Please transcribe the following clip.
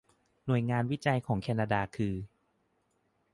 หน่วยงานวิจัยของแคนนาดาคือ